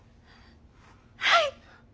はい！